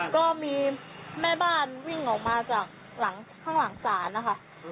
ก็มีแม่บ้านวิ่งออกมาจากหลังข้างหลังศาลนะคะ